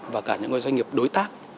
và cả những doanh nghiệp đối tác